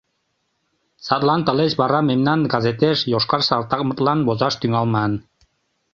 Садлан тылеч вара мемнан газетеш йошкар салтакмытлан возаш тӱҥалман.